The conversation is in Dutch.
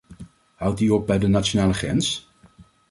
Houdt die op bij de nationale grens?